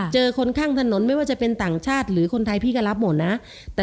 คนข้างถนนไม่ว่าจะเป็นต่างชาติหรือคนไทยพี่ก็รับหมดนะ